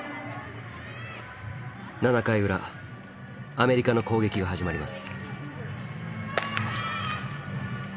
アメリカの攻撃が始まります。